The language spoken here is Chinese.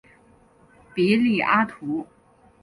比里阿图。